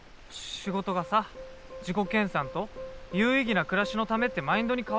仕事がさ自己研さんと有意義な暮らしのためってマインドに変わったのはさ。